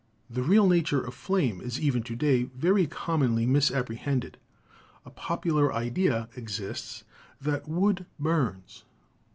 The real nature of flame is even to day very commonly misapprehended. A popular idea exists that wood burns.